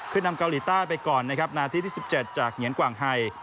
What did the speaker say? นำเกาหลีใต้ไปก่อนนะครับนาทีที่๑๗จากเหงียนกว่างไฮ